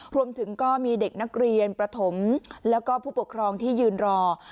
รวมถึงก็มีเด็กนักเรียนประถมแล้วก็ผู้ปกครองที่ยืนรอ